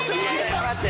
待って！